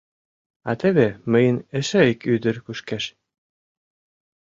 А теве мыйын эше ик ӱдыр кушкеш.